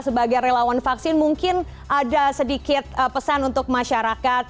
sebagai relawan vaksin mungkin ada sedikit pesan untuk masyarakat